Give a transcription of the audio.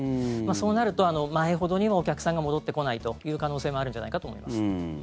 そうなると前ほどにはお客さんが戻ってこないという可能性もあるんじゃないかと思います。